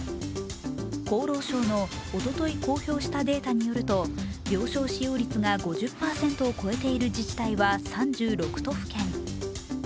厚労省のおととい公表したデータによると病床使用率が５０％を超えている自治体は３６都府県。